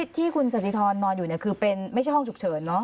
ที่คุณสสิทรนอนอยู่คือเป็นไม่ใช่ห้องฉุกเฉินเนอะ